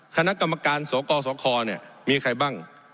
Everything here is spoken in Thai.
คณะกรรมการสกสคเนี่ยมีใครบ้าง